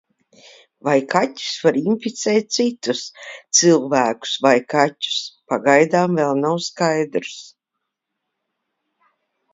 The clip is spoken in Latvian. Vai kaķis var inficēt citus - cilvēkus vai kaķus, pagaidām vēl nav skaidrs.